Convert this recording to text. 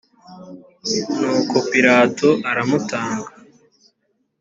nuko pilato aramutanga